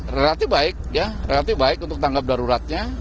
relatif baik ya relatif baik untuk tanggap daruratnya